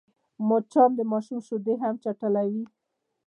مچان د ماشوم شیدې هم چټلوي